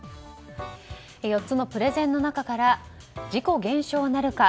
４つのプレゼンの中から事故減少なるか